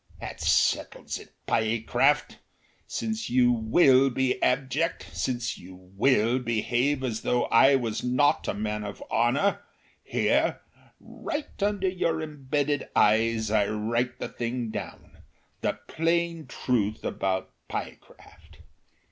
That settles it, Pyecraft! Since you WILL be abject, since you WILL behave as though I was not a man of honour, here, right under your embedded eyes, I write the thing down the plain truth about Pyecraft.